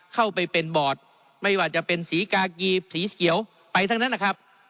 เข้าไปเป็นบอร์ดไม่ว่าจะเป็นสีกากีสีเขียวไปทั้งนั้นแหละครับ